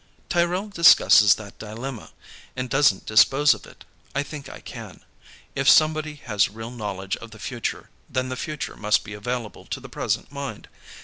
"Tyrrell discusses that dilemma, and doesn't dispose of it. I think I can. If somebody has real knowledge of the future, then the future must be available to the present mind.